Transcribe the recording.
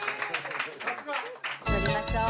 乗りましょう。